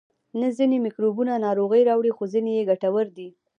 نه ځینې میکروبونه ناروغي راوړي خو ځینې یې ګټور دي